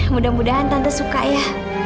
mudah mudahan tante suka ya